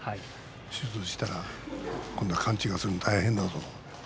手術をしたら今度は完治するのが大変だぞと。